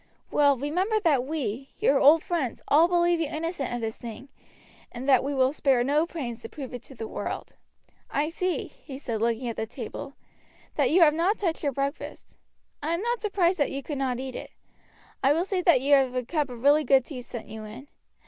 Well, remember that we, your old friends, all believe you innocent of this thing, and that we will spare no pains to prove it to the world. I see," he said, looking at the table, "that you have not touched your breakfast. I am not surprised that you could not eat it. I will see that you have a cup of really good tea sent you in."